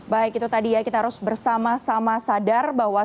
baik itu tadi ya kita harus bersama sama sadar bahwa